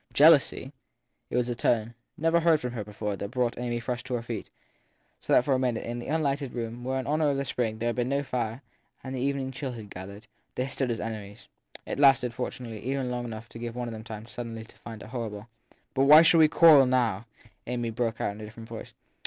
( Jealousy ? It was a tone never heard from her before that brought Amy Frush to her feet ; so that for a minute, in the unlighted room where, in honour of the spring, there had been no fire and the evening chill had gathered, they stood as enemies. It lasted, fortunately, even long enough to give one of them time suddenly to find it horrible. But why should we quarrel now ? Amy broke out in a different voice.